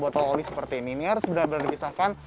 botol botol oli seperti ini harus benar benar digesahkan